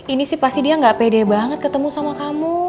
ini sih pasti dia nggak pede banget ketemu sama kamu